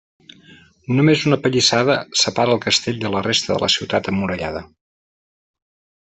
Només una palissada separa el castell de la resta de la ciutat emmurallada.